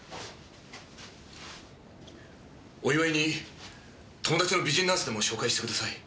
お祝いに友達の美人ナースでも紹介してください。